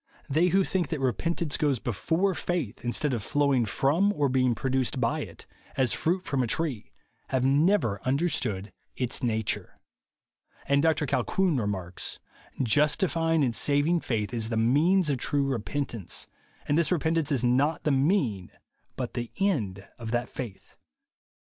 They who think that repentance goes be fore faith, instead of flowing from or being produced by it, as fruit from a tree, have never understood its nature." And Dr Colquhoun remarks, "Justifying and saving faith is the mean of true repentance ; and this repentance is not the mean but the end of that faith."